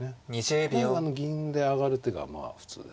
なので銀で上がる手が普通です。